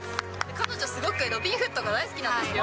彼女すごく、ロビンフットが大好きなんですよ。